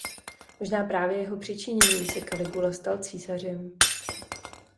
Možná právě jeho přičiněním se Caligula stal císařem.